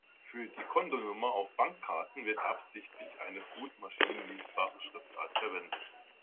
Für die Kontonummer auf Bankkarten wird absichtlich eine gut maschinenlesbare Schriftart verwendet.